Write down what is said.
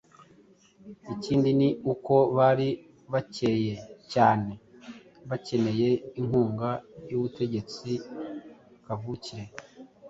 Ikindi ni uko bari bakeya cyane bakeneye inkunga y'ubutegetsi kavukire.